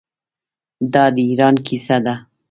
دا د ایران کیسه ده.